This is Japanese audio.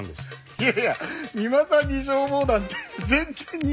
いやいや三馬さんに消防団って全然似合って。